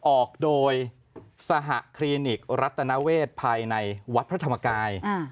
ออกโดยสหคลินิกรัตนเวศภายในวัดพระธรรมกาย